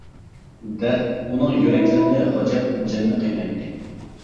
دەرد ئۇنىڭ يۈرەكلىرىنى غاجاپ جاننى قىينايتتى.